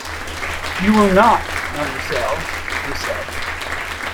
"You will not, mademoiselle," he said.